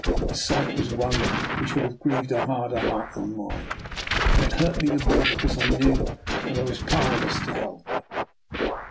The sight was one which would have grieved a harder heart than mine, and it hurt me the more because I knew that I was powerless to help her.